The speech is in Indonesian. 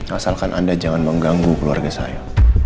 asalkan anda jangan mengganggu keluarga saya